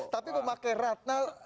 tapi memakai ratna